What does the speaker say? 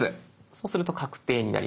そうすると確定になります。